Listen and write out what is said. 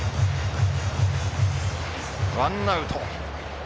ワンアウト。